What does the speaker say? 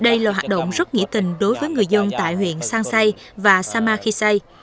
đây là hoạt động rất nghĩ tình đối với người dân tại huyện sangsay và samakhisay